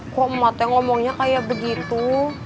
kok emak teh ngomongnya kayak begitu